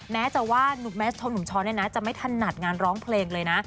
แนะจะว่าหนุ่มแมทชอบหนุ่มช้อนเนี่ยนะจะไม่ถนัดงานร้องเพลงเลยนะ